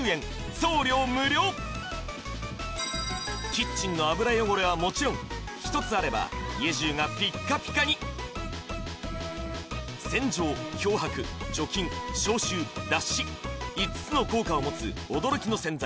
送料無料キッチンの油汚れはもちろん１つあれば家じゅうがピッカピカに洗浄漂白除菌消臭脱脂５つの効果を持つ驚きの洗剤